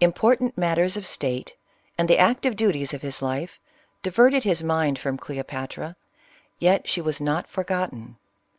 Im portant matters of state, and the active duties of his life, diverted his mind from Cleopatra, yet she was not forgotten.